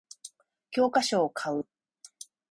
教科書を買う